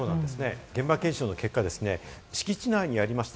現場検証の結果、敷地内にありました